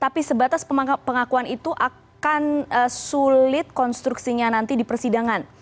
tapi sebatas pengakuan itu akan sulit konstruksinya nanti di persidangan